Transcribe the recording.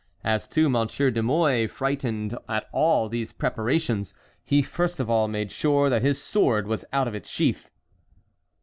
As to Monsieur de Mouy, frightened at all these preparations, he first of all made sure that his sword was out of its sheath.